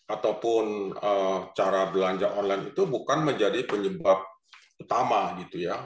ataupun cara belanja online itu bukan menjadi penyebab utama gitu ya